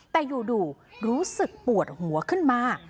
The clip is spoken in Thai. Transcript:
แต่อยู่รู้สึกปวดหัวขึ้นมา